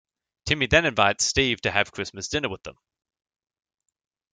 Timmy then invites Steve to have Christmas dinner with them.